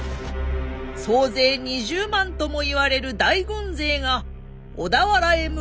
総勢２０万ともいわれる大軍勢が小田原へ向け進軍。